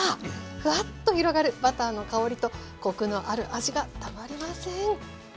フワッと広がるバターの香りとコクのある味がたまりません。